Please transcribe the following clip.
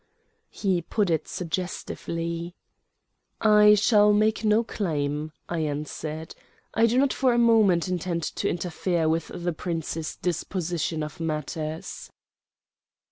He put it suggestively. "I shall make no claim," I answered. "I do not for a moment intend to interfere with the Prince's disposition of matters."